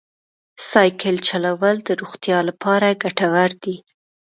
سایکل چلول د روغتیا لپاره ګټور دی.